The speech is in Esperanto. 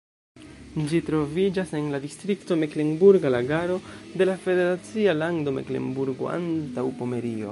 Ĝi troviĝas en la distrikto Meklenburga Lagaro de la federacia lando Meklenburgo-Antaŭpomerio.